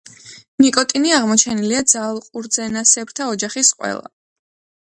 ნიკოტინი აღმოჩენილია ძაღლყურძენასებრთა ოჯახის ყველა